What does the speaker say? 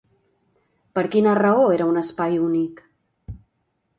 Per quina raó era un espai únic?